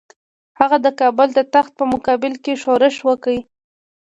هغه د کابل د تخت په مقابل کې ښورښ وکړ.